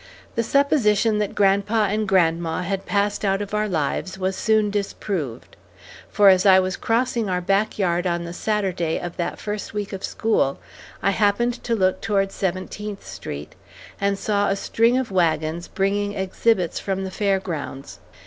The supposition that grandpa and grandma had passed out of our lives was soon disproved; for as I was crossing our back yard on the Saturday of that first week of school, I happened to look toward Seventeenth Street, and saw a string of wagons bringing exhibits from the fair grounds.